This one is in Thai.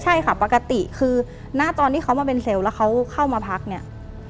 ใช่ค่ะปกติคือหน้าตอนที่เขามาเป็นเซลล์แล้วเขาเข้ามาพักเนี่ย